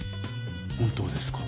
本当ですか？